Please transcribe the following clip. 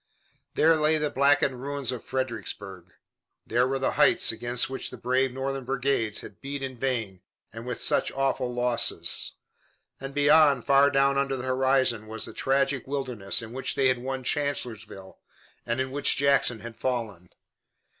There lay the blackened ruins of Fredericksburg. There were the heights against which the brave Northern brigades had beat in vain and with such awful losses. And beyond, far down under the horizon, was the tragic Wilderness in which they had won Chancellorsville and in which Jackson had fallen.